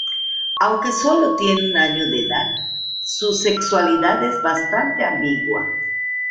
Aunque solo tiene un año de edad, su sexualidad es bastante ambigua.